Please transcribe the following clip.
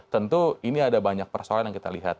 tentu ini ada banyak persoalan yang kita lihat